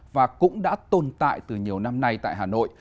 và cũng đã tồn tại từ nhiều năm nay tại hà nội